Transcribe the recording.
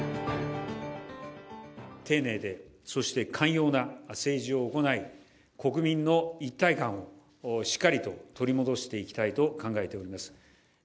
丁寧でそして寛容な政治を行い、国民の一体感をしっかりと取り戻していきたいと考えております。